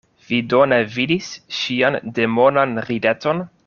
Vi do ne vidis ŝian demonan rideton?